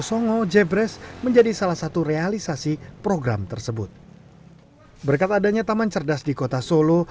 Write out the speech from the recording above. songo jebres menjadi salah satu realisasi program tersebut berkat adanya taman cerdas di kota solo